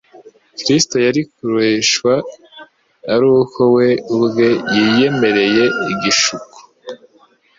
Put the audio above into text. Kristo yari kurueshwa ari uko we ubwe yiyemereye igishuko.